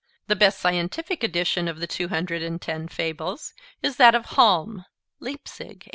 The best scientific edition of the two hundred and ten fables is that of Halm (Leipzig, 1887).